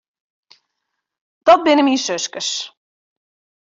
Dat binne myn suskes.